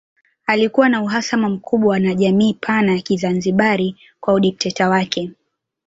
Alikuwa na uhasama mkubwa na jamii pana ya Kizanzibari kwa udikteta wake